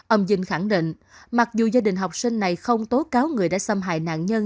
ông vinh khẳng định mặc dù gia đình học sinh này không tố cáo người đã xâm hại nạn nhân